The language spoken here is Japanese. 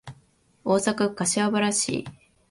大阪府柏原市